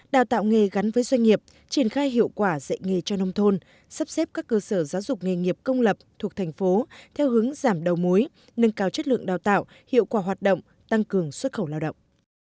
đào tạo nghề gắn với doanh nghiệp triển khai hiệu quả dạy nghề cho nông thôn sắp xếp các cơ sở giáo dục nghề nghiệp công lập thuộc thành phố theo hướng giảm đầu mối nâng cao chất lượng đào tạo hiệu quả hoạt động tăng cường xuất khẩu lao động